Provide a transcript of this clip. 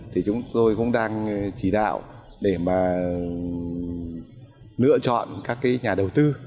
thì chúng tôi cũng đang chỉ đạo để mà lựa chọn các cái nhà đầu tư